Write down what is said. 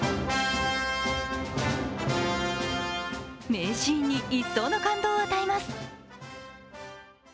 名シーンに一層の感動を与えます。